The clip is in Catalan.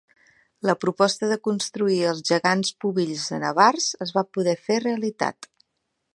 La proposta de construir els Gegants Pubills de Navars es va poder fer realitat.